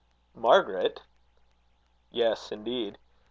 Margaret?" "Yes, indeed.